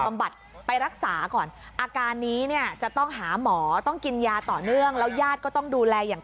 บำบัดไปรักษาก่อนอาการนี้เนี่ยจะต้องหาหมอต้องกินยาต่อเนื่องแล้วญาติก็ต้องดูแลอย่าง